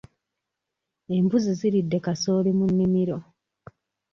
Embuzi ziridde kasooli mu nnimiro.